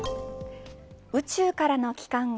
宇宙からの帰還後